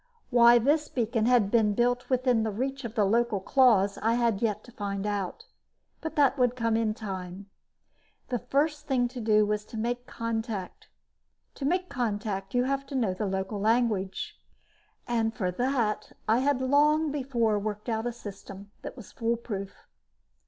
Why this beacon had been built within reach of the local claws, I had yet to find out. But that would come in time. The first thing to do was make contact. To make contact, you have to know the local language. And, for that, I had long before worked out a system that was fool proof.